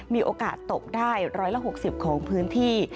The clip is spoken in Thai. มีโอกาสตกได้๑๖๐ของพื้นที่